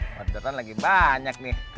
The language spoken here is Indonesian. waktu datang lagi banyak nih